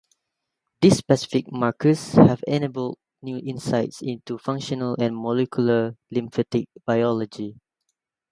These specific markers have enabled new insights into functional and molecular lymphatic biology.